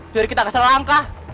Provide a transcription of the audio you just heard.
biar kita gak kesel langkah